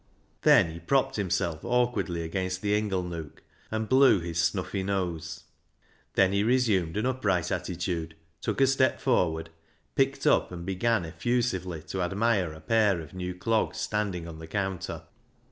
Then he propped himself awkwardly against the inglenook and blew his snuffy nose. Then he resumed an upright attitude, took a step forward, picked up and began effusively to admire a pair of new clogs standing on the counter.